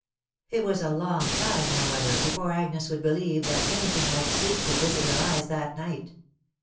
It was a long time, however, before Agnes would believe that any thing like sleep could visit her eyes that night.